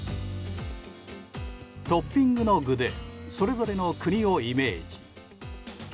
トッピングの具でそれぞれの国をイメージ。